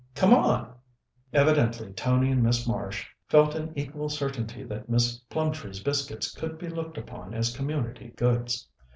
"Come on!" Evidently Tony and Miss Marsh felt an equal certainty that Miss Plumtree's biscuits could be looked upon as community goods.